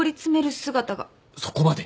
そこまで？